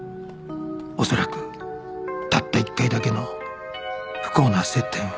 恐らくたった一回だけの不幸な接点を